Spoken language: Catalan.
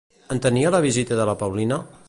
Entenia la visita de la Paulina?